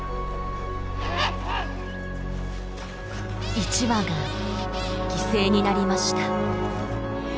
１羽が犠牲になりました。